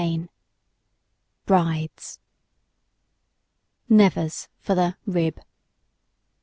] BRIDES "NEVERS" FOR THE "RIB."